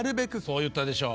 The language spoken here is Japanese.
そう言ったでしょう。